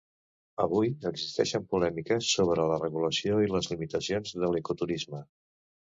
Avui existeixen polèmiques sobre la regulació i les limitacions de l'ecoturisme.